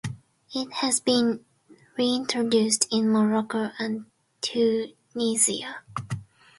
It has been reintroduced in Morocco and Tunisia.